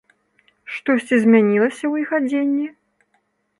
Штосьці змянілася ў іх адзенні?